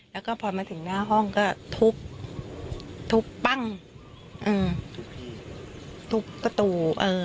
แล้วก็พอมาถึงหน้าห้องก็ทุบทุบปั้งอืมทุบประตูเอ่อ